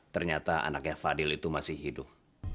ternyata anaknya fadil itu masih hidup